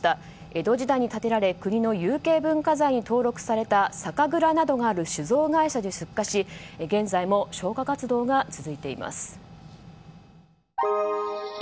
江戸時代に建てられ国の有形文化財に登録された酒蔵などがある酒造会社で出火し現在も消火活動が続いています。